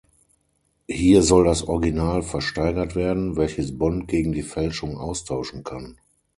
Hier soll das Original versteigert werden, welches Bond gegen die Fälschung austauschen kann.